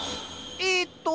えっと。